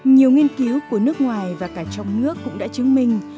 nhiều nghiên cứu của nước ngoài và cả trong nước cũng đã chứng minh